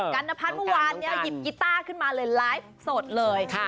รณพัฒน์เมื่อวานนี้หยิบกีต้าขึ้นมาเลยไลฟ์สดเลย